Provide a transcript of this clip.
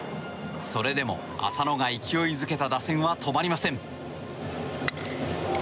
それでも浅野が勢いづけた打線は止まりません。